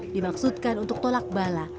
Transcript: dimaksudkan untuk tolak bala